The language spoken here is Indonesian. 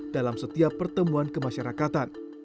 dalam setiap pertemuan kemasyarakatan